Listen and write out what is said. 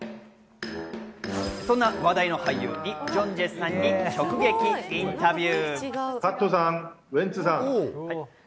そんな話題の俳優、イ・ジョンジェさんに直撃インタビュー。